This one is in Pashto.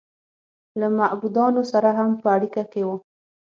له معبودانو سره هم په اړیکه کې و